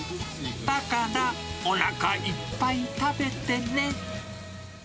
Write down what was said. だからおなかいっぱい食べてね。